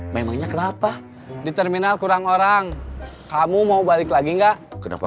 memangnya kenapa di terminal kurang orang kamu mau balik lagi enggak kenapa